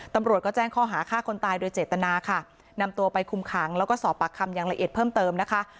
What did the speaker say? ตำรวจก็แจ้งข้อหาฆ่าคนตายโดยเจตนาค่ะนำตัวไปคุมขังแล้วก็สอบปากคำอย่างละเอียดเพิ่มเติมนะคะ